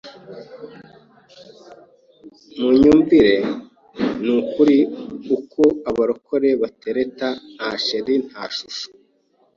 Munyumvire n’ukuri uko abarokore batereta nta cheri, nta shushu,